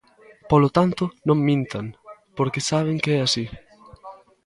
Polo tanto, non mintan, porque saben que é así.